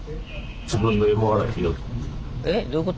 えどういうこと？